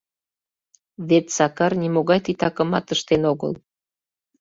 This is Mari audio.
Вет Сакар нимогай титакымат ыштен огыл.